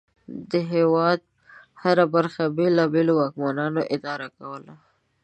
د هېواد هره برخه بېلابېلو واکمنانو اداره کوله.